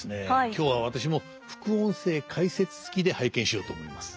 今日は私も副音声解説付きで拝見しようと思います。